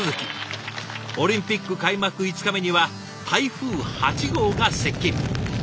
オリンピック開幕５日目には台風８号が接近。